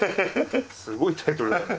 すごいタイトルだね。